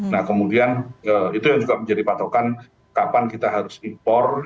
nah kemudian itu yang juga menjadi patokan kapan kita harus impor